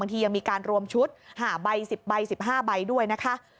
ทียังมีการรวมชุด๕ใบ๑๐ใบ๑๕ใบด้วยนะคะ